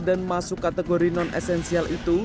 dan masuk kategori non esensial itu